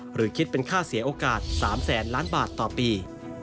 หรือคิดเป็นค่าเสียโอกาส๓แสนล้านบาทต่อปี